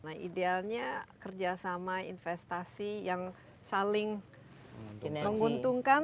nah idealnya kerja sama investasi yang saling menguntungkan